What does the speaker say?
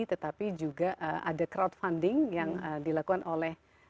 tetapi juga ada crowdfunding yang dilakukan oleh